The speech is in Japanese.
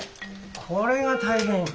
これが大変。